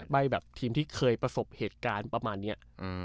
ใบแบบทีมที่เคยประสบเหตุการณ์ประมาณนี้